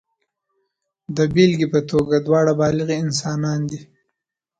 د بېلګې په توګه دواړه بالغ انسانان دي.